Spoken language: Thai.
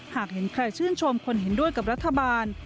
หากเห็นใครชื่นชมคนเห็นด้วยกับรัฐบาล